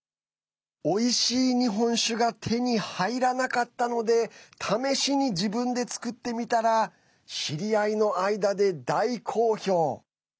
おいしい日本酒が手に入らなかったので試しに自分で造ってみたら知り合いの間で大好評。